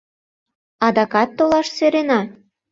Адакат толаш сӧрена.